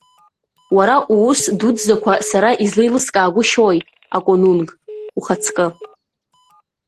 Уара уус дуӡӡақәа сара излеилыскаагәышьои аконунг, ухаҵкы!